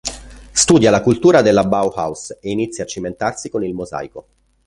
Studia la cultura della Bauhaus e inizia a cimentarsi con il mosaico.